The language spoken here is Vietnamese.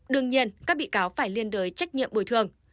đương nhiên các bị cáo phải liên đới trách nhiệm bồi thường